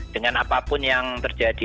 dengan apapun yang terjadi